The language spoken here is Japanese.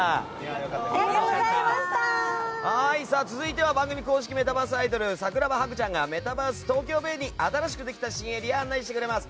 続いては番組の公式メタバースアイドル桜葉ハグちゃんがメタバースＴＯＫＹＯＢＡＹエリアに新しくできたところを案内してくれます。